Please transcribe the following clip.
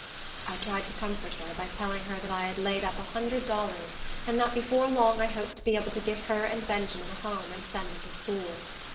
I tried to comfort her, by telling her that I had laid up a hundred dollars, and that before long I hoped to be able to give her and Benjamin a home, and send them to school.